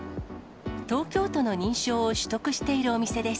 東京都の認証を取得しているお店です。